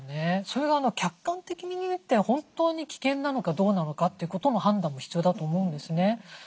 それが客観的に見て本当に危険なのかどうなのかということも判断も必要だと思うんですね。